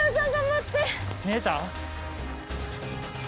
見えた？